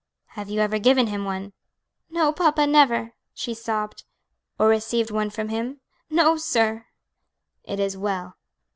Have you ever given him one?" "No, papa, never," she sobbed. "Or received one from him?" "No, sir." "It is well."